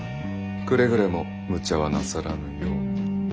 くれぐれもむちゃはなさらぬよう。